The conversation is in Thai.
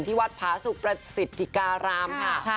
ที่วัดพระสุพระศิริการามค่ะ